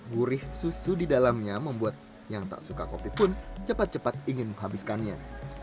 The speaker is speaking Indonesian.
gurih susu di dalamnya membuat yang tak suka kopi pun cepat cepat ingin menghabiskannya